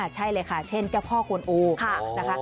ใช่เลยค่ะเช่นเก้าพ่อคุณอูค่ะนะคะ